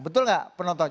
betul enggak penonton